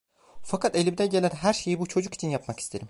Fakat elimden gelen her şeyi bu çocuk için yapmak isterim…